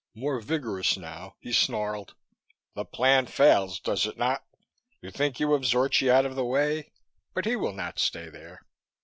More vigorous now, he snarled: "The plan fails, does it not? You think you have Zorchi out of the way, but he will not stay there."